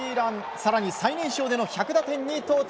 更に最年少での１００打点に到達。